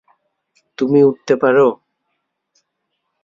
তুমি উড়তে পারো?